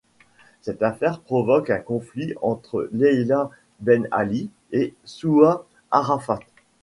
Cette affaire provoque un conflit entre Leïla Ben Ali et Souha Arafat.